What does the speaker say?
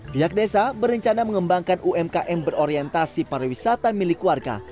biasa desa berencana mengembangkan umkm berorientasi para wisata milik warga